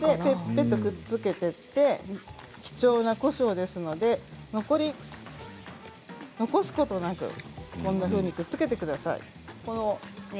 ぺっとくっつけていって貴重なこしょうですから残すことなくこんなふうにくっつけてください。